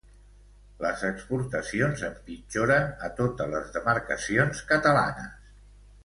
Les exportacions empitjoren a totes les demarcacions catalanes.